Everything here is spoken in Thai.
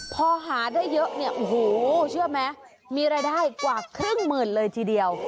พอหาได้เยอะเนี่ยโอ้โหเชื่อไหมมีรายได้กว่าครึ่งหมื่นเลยทีเดียว